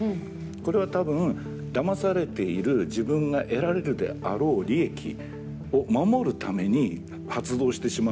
これは多分だまされている自分が得られるであろう利益を守るために発動してしまうんじゃないかなって